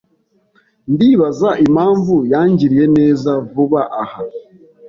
Ndibaza impamvu yangiriye neza vuba aha.